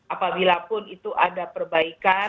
apabilapun itu ada perbaikan